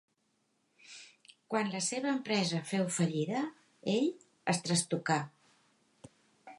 Quan la seva empresa feu fallida, ell es trastocà.